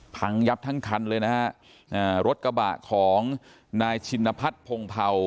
พังยับทั้งคันเลยนะฮะอ่ารถกระบะของนายชินพัฒน์พงเผา